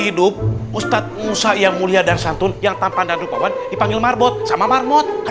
hidup ustadz musa yang mulia dan santun yang tampan dan rukoban dipanggil marbot sama marmot ke